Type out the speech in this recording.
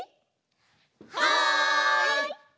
はい！